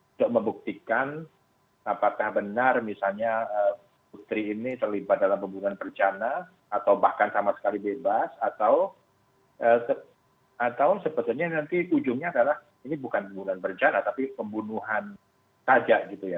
untuk membuktikan apakah benar misalnya putri ini terlibat dalam pembunuhan berencana atau bahkan sama sekali bebas atau sebetulnya nanti ujungnya adalah ini bukan pembunuhan berencana tapi pembunuhan saja gitu ya